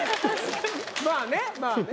まあねまあね。